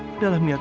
dengan oppa tante